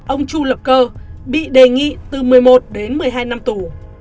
ông chu lập cơ bị đề nghị từ một mươi một đến một mươi hai năm tù